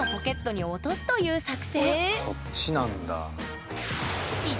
そっちなんだ。